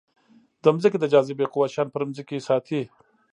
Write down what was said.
د ځمکې د جاذبې قوه شیان پر ځمکې ساتي.